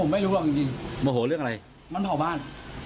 มันเผาบ้าน